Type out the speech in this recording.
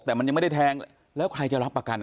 แต่มันยังไม่ได้แทงแล้วใครจะรับประกัน